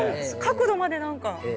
角度まで何か。